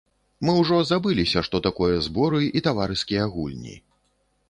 Мы ўжо забыліся, што такое зборы і таварыскія гульні.